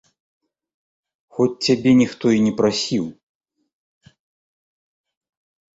Хоць цябе ніхто і не прасіў.